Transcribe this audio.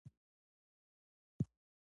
آخر تاسو ولې دا ټول کارونه زما لپاره کوئ.